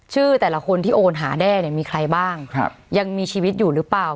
ชื่อแต่ละคนที่โอนหาแด้เนี่ยมีใครบ้างยังมีชีวิตอยู่หรือเปล่า